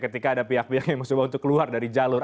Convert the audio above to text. ketika ada pihak pihak yang mencoba untuk keluar dari jalur